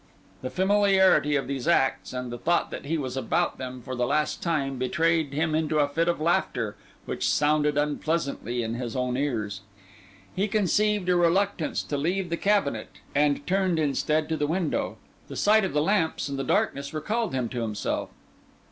The familiarity of these acts, and the thought that he was about them for the last time, betrayed him into a fit of laughter which sounded unpleasantly in his own ears. He conceived a reluctance to leave the cabinet, and turned instead to the window. The sight of the lamps and the darkness recalled him to himself.